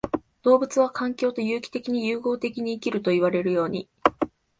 動物は環境と有機的に融合的に生きるといわれるように、